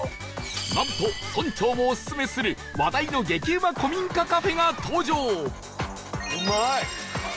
なんと村長もオススメする話題の激うま古民家カフェが登場